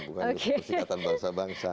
bukan persidatan bangsa bangsa